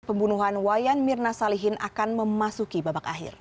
pembunuhan wayan mirna salihin akan memasuki babak akhir